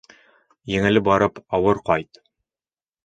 Еңел барып ауыр ҡайт